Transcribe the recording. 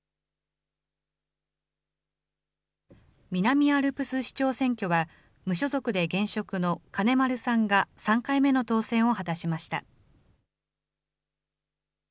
南アルプス市長選挙は、無所属で現職の金丸さんが３回目の当選を果たしました。